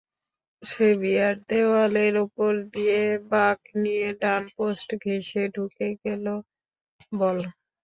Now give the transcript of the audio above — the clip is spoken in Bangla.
সেভিয়ার দেয়ালের ওপর দিয়ে বাঁক নিয়ে ডান পোস্ট ঘেঁষে ঢুকে গেল বল।